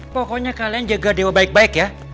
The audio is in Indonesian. pokoknya kalian jaga dewa baik baik ya